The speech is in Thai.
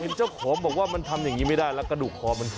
เจ้าของบอกว่ามันทำอย่างนี้ไม่ได้แล้วกระดูกคอมัน